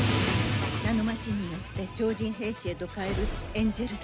ナノマシンによって超人兵士へと変える。